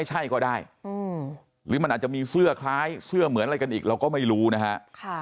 ใช่ก็ได้หรือมันอาจจะมีเสื้อคล้ายเสื้อเหมือนอะไรกันอีกเราก็ไม่รู้นะฮะ